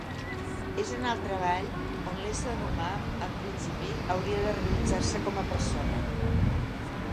És en el treball on l'ésser humà, en principi, hauria de realitzar-se com a persona.